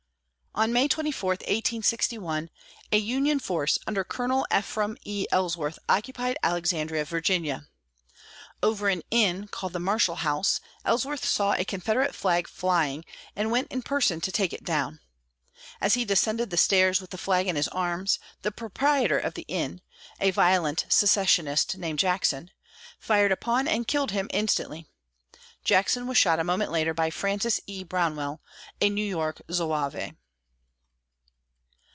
On May 24, 1861, a Union force under Colonel Ephraim E. Ellsworth occupied Alexandria, Va. Over an inn called the Marshall House Ellsworth saw a Confederate flag flying and went in person to take it down. As he descended the stairs with the flag in his arms, the proprietor of the inn, a violent secessionist named Jackson, fired upon and killed him instantly. Jackson was shot a moment later by Francis E. Brownell, a New York Zouave.